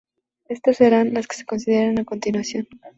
Estas serán las que se consideran a continuación.